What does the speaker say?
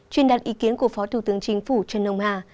chuyên đặt ý kiến của phó thủ tướng chính phủ trần âu hà